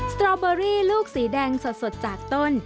สตรอเบอรี่ลูกสีแดงสดจากต้น